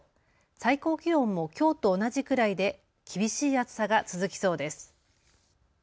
最高気温もきょうと同じくらいで厳しい暑さが続きそうです。